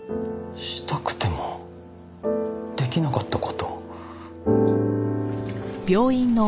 したくても出来なかった事。